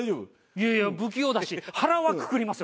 いやいや不器用だし腹はくくりますよ